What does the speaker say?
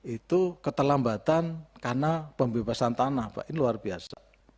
dua ribu sembilan belas itu keterlambatan karena pembebasan tanah pak ini luar biasa